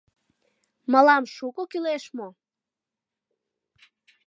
Мылам шуко кӱлеш мо?